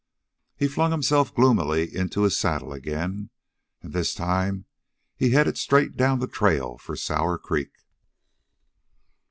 He flung himself gloomily into his saddle again, and this time he headed straight down the trail for Sour Creek.